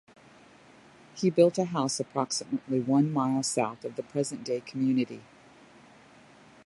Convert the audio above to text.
He built a house approximately one mile south of the present-day community.